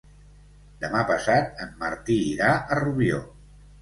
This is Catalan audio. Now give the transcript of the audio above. Demà passat en Martí irà a Rubió.